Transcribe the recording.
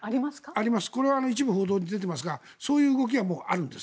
これは一部報道で出ていますがそういう動きがあるんです。